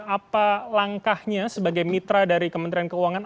apa langkahnya sebagai mitra dari kementerian keuangan